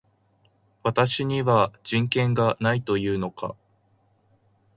私には人権がないと言うのか